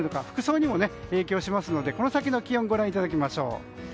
服装にも影響しますので、この先の気温をご覧いただきましょう。